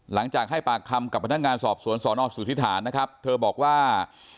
หลังจากให้ปากคำกับพนักงานสอบสวนสอนอสุธิษฐานนะครับเธอบอกว่า